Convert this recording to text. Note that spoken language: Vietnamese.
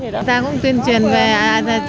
người ta cũng tuyên truyền về an ninh trật tự